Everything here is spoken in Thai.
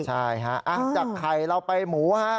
ใช่ฮะจากไข่เราไปหมูฮะ